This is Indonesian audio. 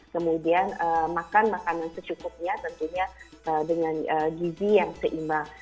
kemudian makan makanan secukupnya tentunya dengan gizi yang seimbang